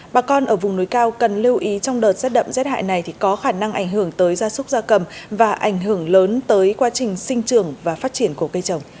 bà con ở vùng núi cao cần lưu ý trong đợt rét đậm rét hại này có khả năng ảnh hưởng tới gia súc gia cầm và ảnh hưởng lớn tới quá trình sinh trường và phát triển của cây trồng